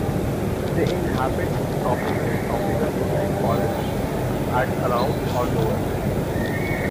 They inhabit sub-tropical and tropical lowland forests at around or lower.